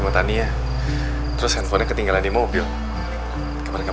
marsya saya sekarang belum kenal ya